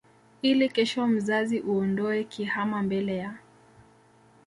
ili kesho mzazi uondoe kihama mbele ya